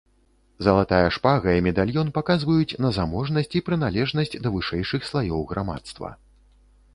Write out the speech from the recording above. Залатая шпага і медальён паказваюць на заможнасць і прыналежнасць да вышэйшых слаёў грамадства.